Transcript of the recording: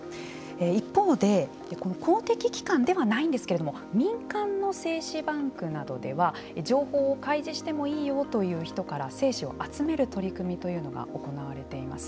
一方で公的機関ではないんですけど民間の精子バンクなどでは情報を開示してもいいよという人から精子を集める取り組みというのが行われています。